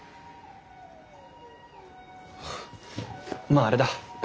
まああれだ。